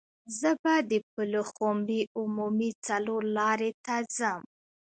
زه به د پلخمري عمومي څلور لارې ته ځم.